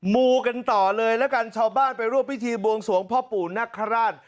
มูกันต่อเลยแล้วกันชาวบ้านไปร่วมพิธีบวงสวงพ่อปู่นคราช